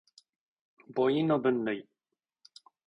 母音の分類